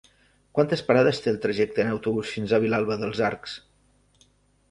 Quantes parades té el trajecte en autobús fins a Vilalba dels Arcs?